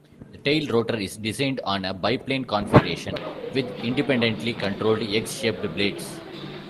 The tail rotor is designed on a biplane configuration, with independently controlled X-shaped blades.